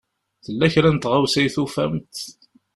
Tella kra n tɣawsa i tufamt?